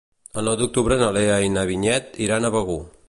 El nou d'octubre na Lea i na Vinyet iran a Begur.